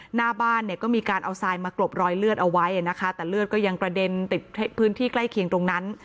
หน้าบ้านเนี่ยก็มีการเอาทรายมากรบรอยเลือดเอาไว้นะคะแต่เลือดก็ยังกระเด็นติดพื้นที่ใกล้เคียงตรงนั้น